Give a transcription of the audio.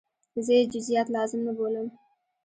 زه یې جزئیات لازم نه بولم.